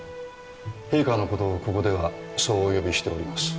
陛下のことをここではそうお呼びしております